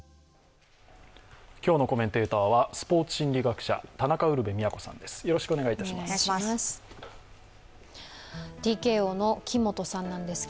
今日のコメンテーターはスポーツ心理学者、田中ウルヴェ京さんです。